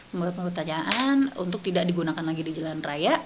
membuat pengetahuan untuk tidak digunakan lagi di jalan raya